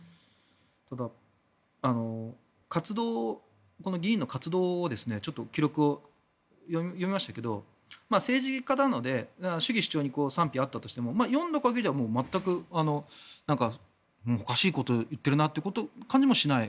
ただ、この議員の活動を記録を読みましたけど政治家なので主義主張に賛否はあったとしても読んだ限りでは全くおかしいことを言ってるという感じもしない。